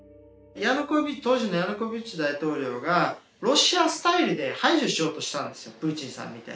当時のヤヌコービッチ大統領がロシアスタイルで排除しようとしたんですよ。